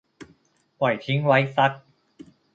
ปล่อยทิ้งไว้สัก